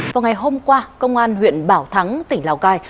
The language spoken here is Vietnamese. vào ngày hôm qua công an huyện bảo thắng tỉnh lào cai